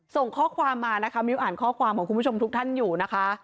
ส่งข้อความมานะคะมิ้วอ่านข้อความของคุณผู้ชมทุกท่านอยู่นะคะ